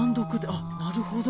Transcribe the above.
あっなるほど。